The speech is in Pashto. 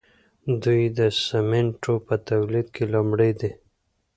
دوی د سیمنټو په تولید کې لومړی دي.